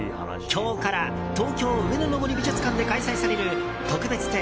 今日から東京・上野の森美術館で開催される特別展